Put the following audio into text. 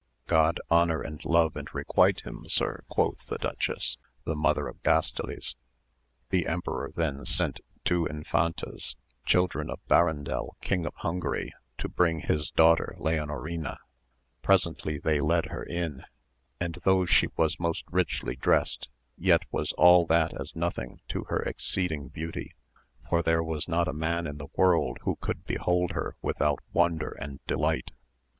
God honour and love and requite him. Sir ! quoth the dutchess, the mother of Gastiles ; the emperor then sent two in fantas, children of Barandel King of Hungary, to bring his daughter Leonorina ; presently they led her in, and though she was most richly dressed yet was all that as nothing to her exceeding beauty, for there was not a man in the world who could behold her without wonder and delight.